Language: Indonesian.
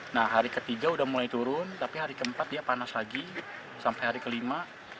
nah hari ketiga udah mulai turun tapi hari keempat dia panas lagi sampai hari kelima